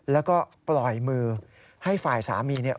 แล้วก็ปล่อยมือให้ฝ่ายสามีเนี่ย